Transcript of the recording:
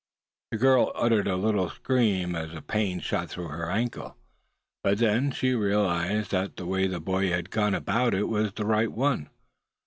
The girl uttered a little scream as a pain shot through her ankle; but then she realized that the way the boy had gone about it was the right one.